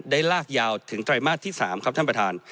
ได้ลากยาวถึงไตรมาสที่๓ครับท่านประธาน